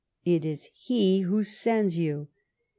It is he who sends you